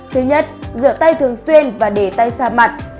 thứ nhất rửa tay thường xuyên và để tay xa mặn